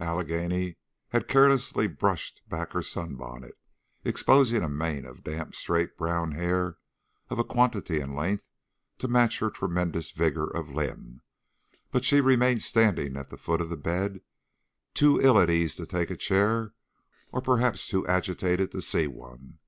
Allegheny had carelessly brushed back her sunbonnet, exposing a mane of damp, straight, brown hair of a quantity and length to match her tremendous vigor of limb; but she remained standing at the foot of the bed, too ill at ease to take a chair or perhaps too agitated to see one.